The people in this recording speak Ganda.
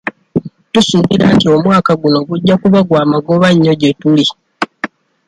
Tusuubira nti omwaka guno gujja kuba gwa magoba nnyo gye tuli.